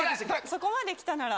そこまで来たなら。